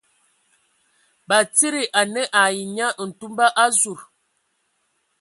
Batsidi a ne ai nye ntumba a zud.